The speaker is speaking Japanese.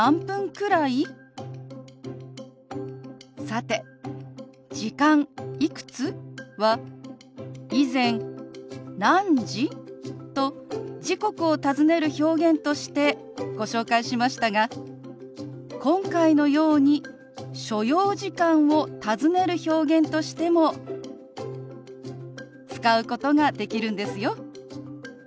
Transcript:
さて「時間」「いくつ？」は以前「何時？」と時刻を尋ねる表現としてご紹介しましたが今回のように所要時間を尋ねる表現としても使うことができるんですよ。